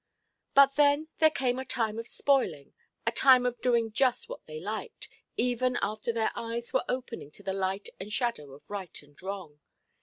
But then there came a time of spoiling, a time of doing just what they liked, even after their eyes were opening to the light and shadow of right and wrong.